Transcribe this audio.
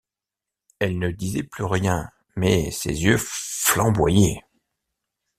Elle ne disait plus rien, mais ses yeux flamboyaient.